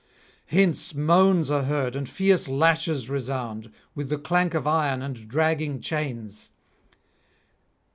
Hence moans are heard and fierce lashes resound, with the clank of iron and dragging chains.